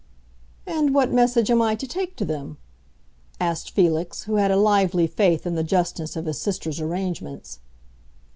"And what message am I to take to them?" asked Felix, who had a lively faith in the justness of his sister's arrangements.